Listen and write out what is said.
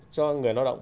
cho người lao động